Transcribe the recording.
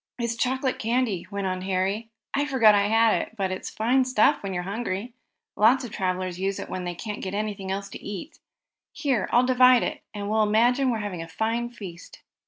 "It's chocolate candy," went on Harry. "I forgot I had it, but it's fine stuff when you're hungry. Lots of travelers use it when they can't get anything else to eat. Here, I'll divide it, and we'll imagine we're having a fine feast."